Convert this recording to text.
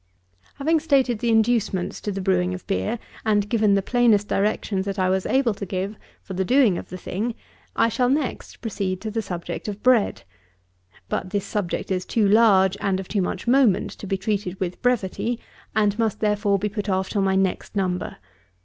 70. Having stated the inducements to the brewing of beer, and given the plainest directions that I was able to give for the doing of the thing, I shall, next, proceed to the subject of bread. But this subject is too large and of too much moment to be treated with brevity, and must, therefore, be put off till my next Number.